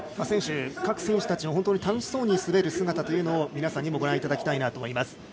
各選手たちが楽しそうに滑る姿を皆さんにもご覧いただきたいと思います。